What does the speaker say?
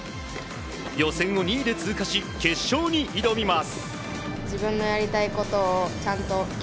予選を２位で通過し決勝に挑みます。